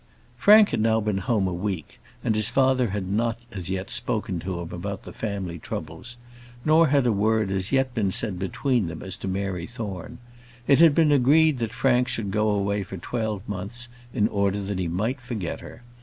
Frank had now been at home a week, and his father had not as yet spoken to him about the family troubles; nor had a word as yet been said between them as to Mary Thorne. It had been agreed that Frank should go away for twelve months, in order that he might forget her.